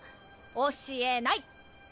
教えない！